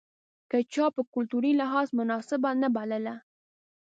که چا په کلتوري لحاظ مناسبه نه بلله.